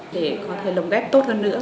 để có thể lồng ghép tốt hơn nữa